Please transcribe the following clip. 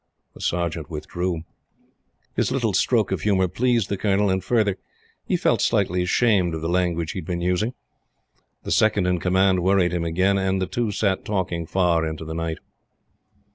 The Sergeant withdrew. His little stroke of humor pleased the Colonel, and, further, he felt slightly ashamed of the language he had been using. The Second in Command worried him again, and the two sat talking far into the night.